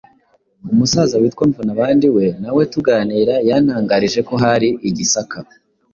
Umusaza witwa Mvunabandi we nawe tuganira yantangarije ko hari i Gisaka